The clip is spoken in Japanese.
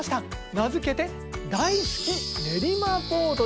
名付けて「大好き練馬ボード！」です。